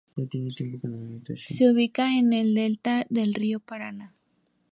Se ubica en el delta del río Paraná.